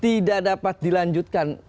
tidak dapat dilanjutkan